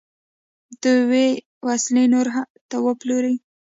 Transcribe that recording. دوی وسلې نورو ته پلوري.